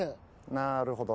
なーるほど。